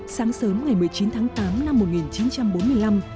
sáng sớm ngày một mươi chín tháng tám năm một nghìn chín trăm bốn mươi năm